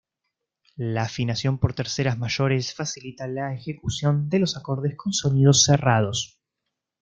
La afinación por terceras mayores facilita la ejecución de los acordes con sonidos cerrados.